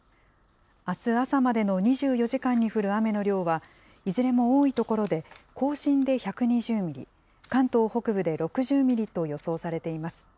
あす朝までの２４時間に降る雨の量は、いずれも多い所で、甲信で１２０ミリ、関東北部で６０ミリと予想されています。